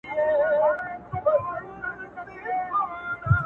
د سپين ږيرو مشورې د عامه ادارې